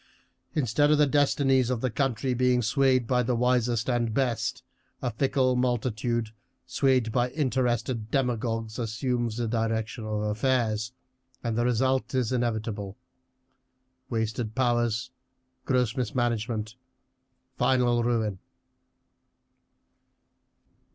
Instead of the destinies of the country being swayed by the wisest and best, a fickle multitude, swayed by interested demagogues, assumes the direction of affairs, and the result is inevitable wasted powers, gross mismanagement, final ruin."